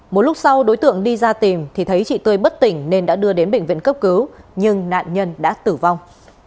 một lúc sau đối tượng đi ra tìm thì thấy chị tươi bất tỉnh nên đã đưa đến bệnh viện cấp cứu nhưng nạn nhân đã tử vong